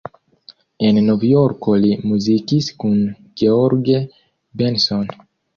En Novjorko li muzikis kun George Benson.